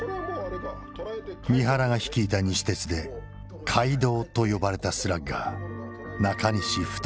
三原が率いた西鉄で怪童と呼ばれたスラッガー中西太。